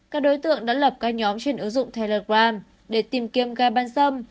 các đối tượng đã lập các nhóm trên ứng dụng telegram để tìm kiếm gai bán dâm